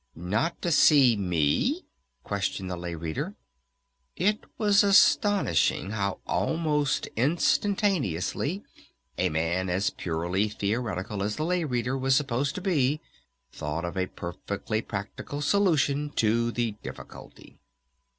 "Not to see me?" questioned the Lay Reader. It was astonishing how almost instantaneously a man as purely theoretical as the Lay Reader was supposed to be, thought of a perfectly practical solution to the difficulty.